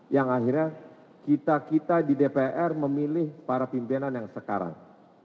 yang akhirnya kita kita di dpr memilih para pimpinan yang sekarang